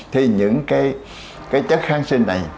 thì những cái chất kháng sinh này